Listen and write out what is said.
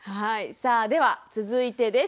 さあでは続いてです。